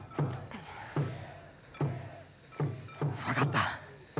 分かった。